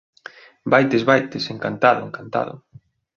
Vaites, vaites! Encantado, encantado.